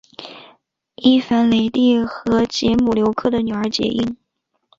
伊凡雷帝和捷姆留克的女儿结姻。